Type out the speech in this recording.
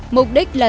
mục đích là